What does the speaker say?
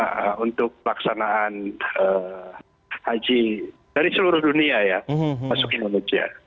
khususnya untuk pelaksanaan haji dari seluruh dunia ya masuk indonesia